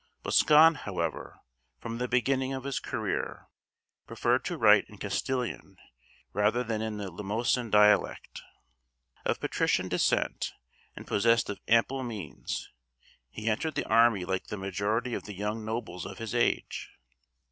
Boscan, however, from the beginning of his career, preferred to write in Castilian rather than in the Limosin dialect. Of patrician descent, and possessed of ample means, he entered the army like the majority of the young nobles of his age.